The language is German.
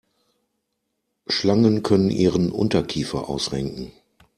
Schlangen können ihren Unterkiefer ausrenken.